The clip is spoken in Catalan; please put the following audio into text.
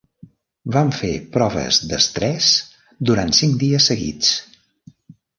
Vam fer proves d'estrès durant cinc dies seguits.